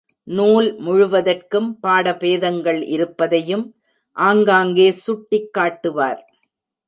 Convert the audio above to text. நூல் முழுவதற்கும் பாட பேதங்கள் இருப்பதையும் ஆங்காங்கே சுட்டிக் காட்டுவார்.